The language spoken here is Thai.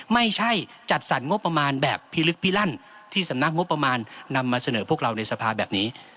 ไม่ใช่จัดสรรงบประมาณแบบพิลึกพิลั่นที่สำนักงบประมาณนำมาเสนอพวกเราในสภาแบบนี้